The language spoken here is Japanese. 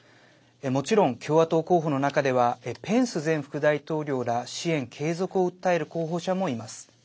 もちろん、共和党候補の中ではペンス前副大統領ら支援継続を訴える候補者もいます。